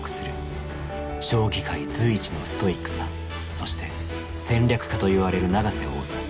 将棋界随一のストイックさそして戦略家といわれる永瀬王座。